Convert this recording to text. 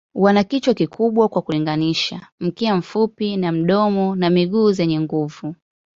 Wana kichwa kikubwa kwa kulinganisha, mkia mfupi na domo na miguu zenye nguvu.